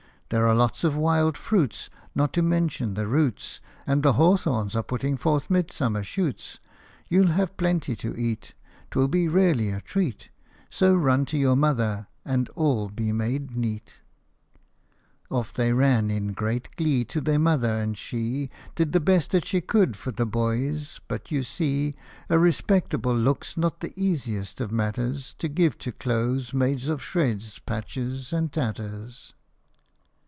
There are lots of wild fruits, Not to mention the roots, And the hawthorns are putting forth midsummer shoots. You '11 have plenty to eat 'T will be really a treat ; So run to your mother, and all be made neat !" Off they ran in great glee To their mother, and she Did the best that she could for the boys ; but, you see, A respectable look 's not the easiest of matters To give to clothes made of shreds, patches, and tatters.